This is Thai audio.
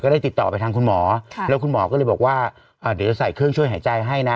ได้ติดต่อไปทางคุณหมอแล้วคุณหมอก็เลยบอกว่าเดี๋ยวจะใส่เครื่องช่วยหายใจให้นะ